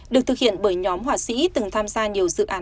được thực hiện bởi nhóm họa sĩ từng tham gia nhiều dự án